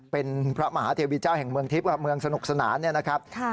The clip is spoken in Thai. เป็นพระมหาเทวีเจ้าแห่งเมืองทิพย์เมืองสนุกสนานเนี่ยนะครับ